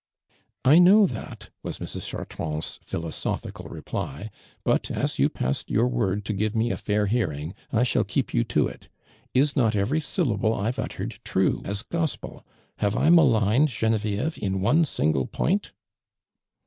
" I know that," was Mrs. Chartrand'»i philosophicid reply, "but, as you passed vour word to give me n fair lioaring, 1 shall keep you to it. Is not every syllable I've uttered true as gospel'/ Have I maligneil Oenovieve in ono single point'.'"'